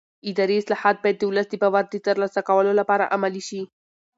اداري اصلاحات باید د ولس د باور د ترلاسه کولو لپاره عملي شي